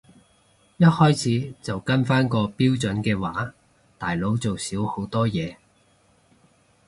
一開始就跟返個標準嘅話大佬做少好多嘢